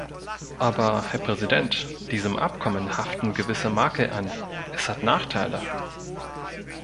Aber, Herr Präsident, diesem Abkommen haften gewisse Makel an, es hat Nachteile.